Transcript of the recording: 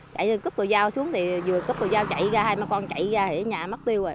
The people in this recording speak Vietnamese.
chạy cúp cầu dao xuống thì vừa cúp cầu dao chạy ra hai con chạy ra thì nhà mất tiêu rồi